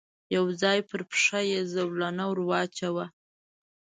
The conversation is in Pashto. يو ځای پر پښه کې زولنه ور واچاوه.